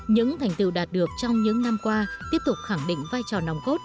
những thành tựu đạt được trong những năm qua tiếp tục khẳng định vai trò nòng cốt